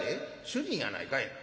主人やないかいな。